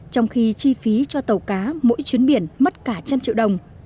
trong khi chi phí cho tàu cá mỗi chuyến biển mất cả trăm triệu đồng